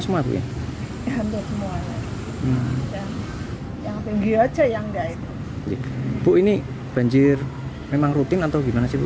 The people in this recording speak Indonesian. semua ya yang tinggi aja yang enggak itu bu ini banjir memang rutin atau gimana sih iya rutin